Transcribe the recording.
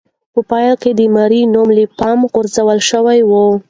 په پیل کې د ماري نوم له پامه غورځول شوی و.